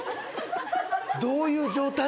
どういう状態？